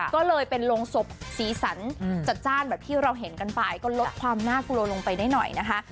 ก็เลยเป็นโรงศพสีสันจัดจ้านแบบที่เราเห็นกันไปก็ลดความน่ากลัวลงไปได้หน่อยนะคะ